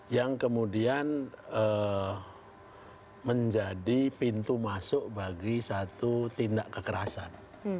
yang kemudian menjadi pintu masuk bagi satu tindak kekerasan